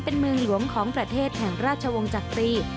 เป็นเมืองหลวงของประเทศแห่งราชวงศ์จักรี